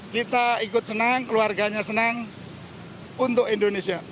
kita ikut senang keluarganya senang untuk indonesia